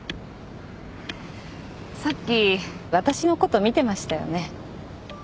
さっき私のこと見てましたよね？